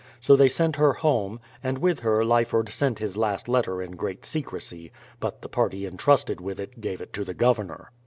So they sent her home, and with her Lyford sent his last letter in great secrecy ; but the party entrusted with it gave it to the Gov ernor.